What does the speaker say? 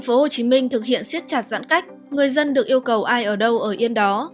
tp hcm thực hiện siết chặt giãn cách người dân được yêu cầu ai ở đâu ở yên đó